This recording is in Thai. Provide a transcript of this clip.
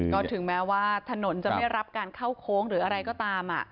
ก็ถึงแม้ว่าถนนจะไม่รับการเข้าโค้งหรืออะไรก็ตาม